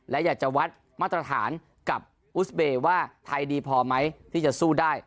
และอยากจะวัดมาตรฐานกับอุสเบย์ว่าไทยดีพอไหมที่จะสู้ได้